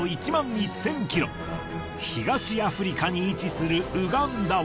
東アフリカに位置するウガンダは。